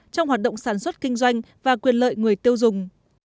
trong hoạt động sản xuất kinh doanh và quyền lợi người tiêu dùng